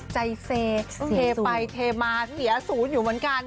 ใจเซเทไปเทมาเสียศูนย์อยู่เหมือนกัน